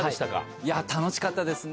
いや、楽しかったですね。